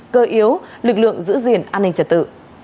cơ yếu lực lượng giữ gìn an ninh trật tự